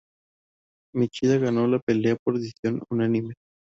Machida ganó la pelea por decisión unánime.